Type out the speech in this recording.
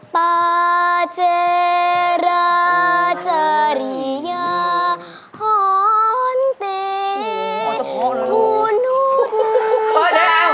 ปะเจรัจริยาฮอร์นเตยคูนูดงูบ้า